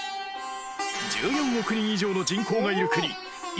１４億人以上の人口がいる国インド